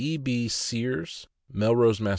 E. B. Sears, Melrose, Mass.